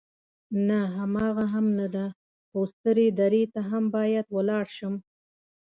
نه، هماغه هم نه ده، خو سترې درې ته هم باید ولاړ شم.